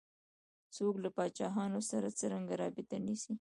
څوک له پاچاهانو سره څرنګه رابطه نیسي.